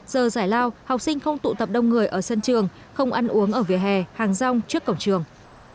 giờ giải lao học sinh không tụ tập đông người ở sân trường không ăn uống ở vỉa hè hàng rong trước cổng trường